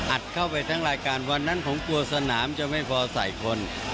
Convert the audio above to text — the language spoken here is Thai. อัดเข้าไปทั้งรายการวันนั้นผมกลัวสนามจะไม่พอใส่คน